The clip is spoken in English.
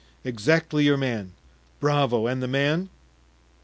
"Exactly your man." "Bravo! and the man?"